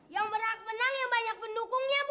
yang berat menang yang banyak pendukungnya bu